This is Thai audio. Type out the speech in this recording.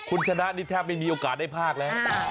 คุณชนะนี่แทบไม่มีโอกาสได้ภาคแล้ว